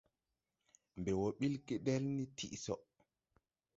Mbɛ wɔ ɓil gedel ni tiʼ so.